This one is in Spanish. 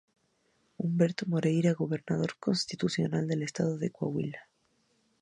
Humberto Moreira Gobernador Constitucional del Estado de Coahuila.